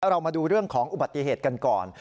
เรามาดูเรื่องของอุบัติเหตุกันก่อน